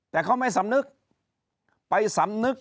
แต่เขาไม่สำนึก